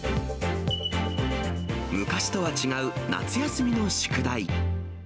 昔とは違う夏休みの宿題。